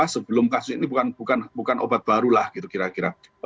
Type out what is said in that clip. sebelum kasus ini bukan obat baru lah gitu kira kira